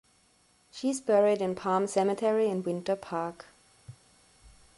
She is buried in Palm Cemetery in Winter Park.